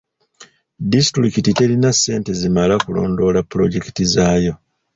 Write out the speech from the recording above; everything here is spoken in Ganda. Disitulikiti telina ssente zimala kulondoola pulojekiti zaayo.